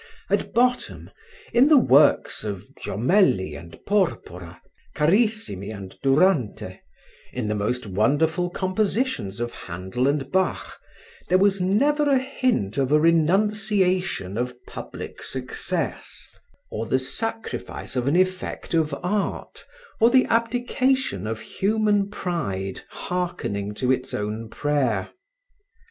At bottom, in the works of Jomelli and Porpora, Carissimi and Durante, in the most wonderful compositions of Handel and Bach, there was never a hint of a renunciation of public success, or the sacrifice of an effect of art, or the abdication of human pride hearkening to its own prayer.